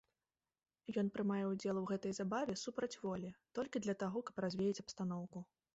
Ён прымае ўдзел у гэтай забаве супраць волі, толькі для таго каб развеяць абстаноўку.